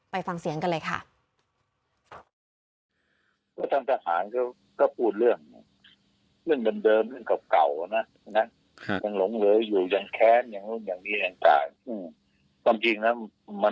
ฟังเสียงกันเลยค่ะ